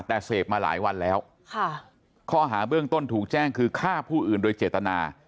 แต่เสพมาหลายวันแล้วค่ะข้อหาเบื้องต้นถูกแจ้งคือฆ่าผู้อื่นโดยเจตนา